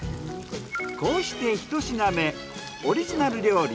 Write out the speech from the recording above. こうしてひと品目オリジナル料理